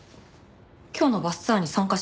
今日のバスツアーに参加してます。